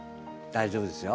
大丈夫ですよ。